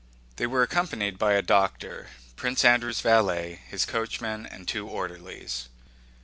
They were accompanied by a doctor, Prince Andrew's valet, his coachman, and two orderlies.